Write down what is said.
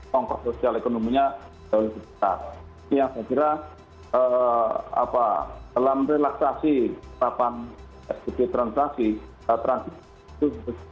tongkok sosial ekonominya itu yang saya kira apa dalam relaksasi lapangan spt transaksi transisi itu berubah